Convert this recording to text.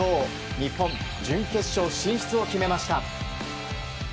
日本、準決勝進出を決めました。